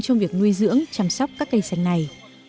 trong việc nuôi dưỡng chăm sóc các cây xanh này